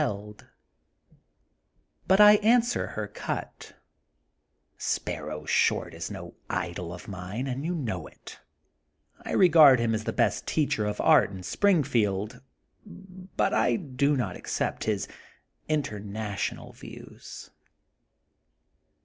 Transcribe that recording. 82 THE GOLDEN BOOK OF SPRINGFIELD But I answer her cut: Sparrow Short is no idol of mine, and you know it. I regard him as the best teacher of art in Springfield, but I do not accept his international views.